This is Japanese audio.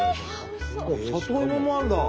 里芋もあるんだ！